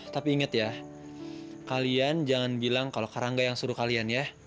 tapi inget ya kalian jangan bilang kalau kak rangga yang suruh kalian ya